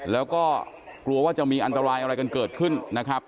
แล้วก็กลัวว่าจะมีอันตรายอะไรกันเกิดขึ้นนะครับ